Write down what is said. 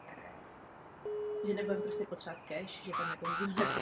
Podstatě tématu můžeme porozumět při pohledu na diagram vpravo.